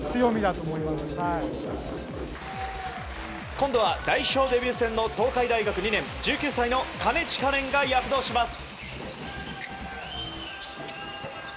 今度は代表デビュー戦の東海大学２年１９歳の金近廉が躍動します。